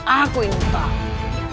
aku ingin tahu